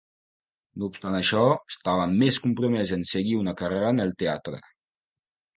No obstant això, estava més compromès en seguir una carrera en el teatre.